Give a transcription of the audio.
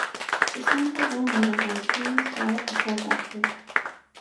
به سمت وان میرود گویی ساعت به خواب رفته